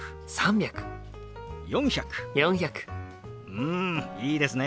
うんいいですね！